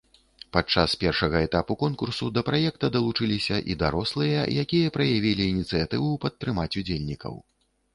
Падчас першага этапу конкурсу да праекта далучыліся і дарослыя, якія праявілі ініцыятыву падтрымаць удзельнікаў.